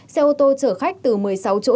xe ô tô chở khách từ một mươi sáu chỗ